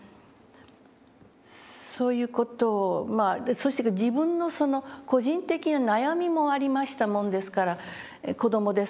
そういう事をまあそして自分の個人的な悩みもありましたもんですから子どもですからですね